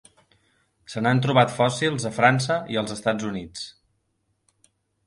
Se n'han trobat fòssils a França i els Estats Units.